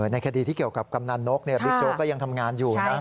ในคดีที่เกี่ยวกับกำนันนกบิ๊กโจ๊กก็ยังทำงานอยู่นะ